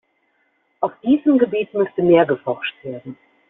Auf diesem Gebiet müsste mehr geforscht werden.